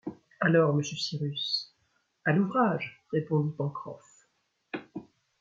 Alors, monsieur Cyrus, à l’ouvrage ! répondit Pencroff